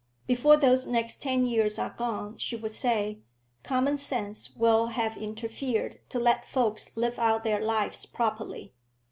"Before those next ten years are gone," she would say, "common sense will have interfered to let folks live out their lives properly."